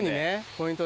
ポイント